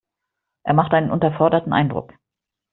Er macht einen unterforderten Eindruck.